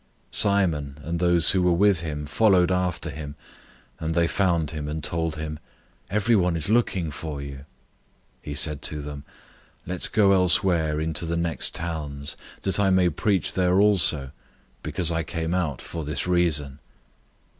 001:036 Simon and those who were with him followed after him; 001:037 and they found him, and told him, "Everyone is looking for you." 001:038 He said to them, "Let's go elsewhere into the next towns, that I may preach there also, because I came out for this reason."